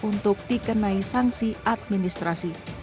untuk dikenai sanksi administrasi